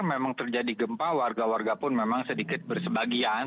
memang terjadi gempa warga warga pun memang sedikit bersebagian